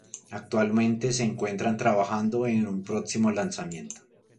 Actualmente se encuentran trabajando en un próximo lanzamiento.